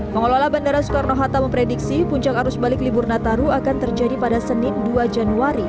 pengelola bandara soekarno hatta memprediksi puncak arus balik libur nataru akan terjadi pada senin dua januari